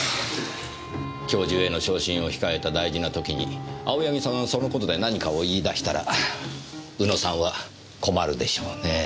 教授への昇進を控えた大事な時に青柳さんがそのことで何かを言い出したら宇野さんは困るでしょうね。